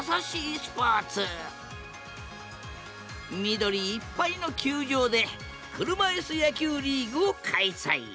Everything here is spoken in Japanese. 緑いっぱいの球場で車いす野球リーグを開催。